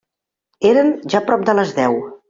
Eren ja prop de les deu.